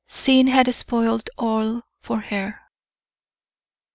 Sin had spoiled all for her.